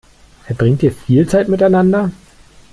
Verbringt ihr viel Zeit miteinander?